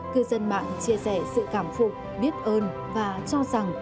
cư dân mạng chia sẻ sự cảm phục biết ơn và cho rằng